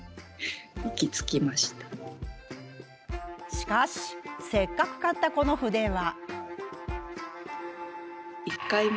しかし、せっかく買ったこの筆は。